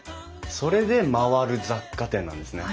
それで「まわる雑貨店」なんですね。